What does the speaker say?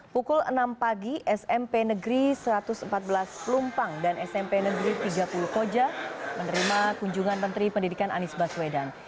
pukul enam pagi smp negeri satu ratus empat belas plumpang dan smp negeri tiga puluh koja menerima kunjungan menteri pendidikan anies baswedan